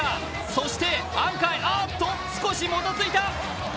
そしてアンカーへ、あっと少しもたついた！